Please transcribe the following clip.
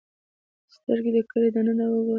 د سترګې د کرې دننه وګورئ.